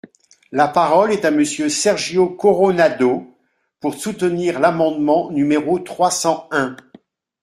La parole est à Monsieur Sergio Coronado, pour soutenir l’amendement numéro trois cent un.